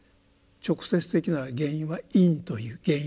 直接的な原因は「因」という原因の「因」ですね。